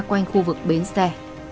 quanh khu vực bến xe